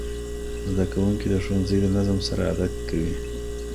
زدهکوونکي د ښوونځي د نظم سره عادت کوي.